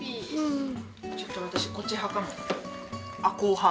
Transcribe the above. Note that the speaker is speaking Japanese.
ちょっと私こっち派かも。